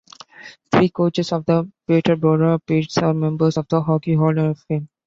Three coaches of the Peterborough Petes are members of the Hockey Hall of Fame.